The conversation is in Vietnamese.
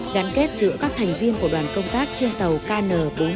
gắn kết giữa các thành viên của đoàn công tác trên tàu kn bốn trăm chín mươi một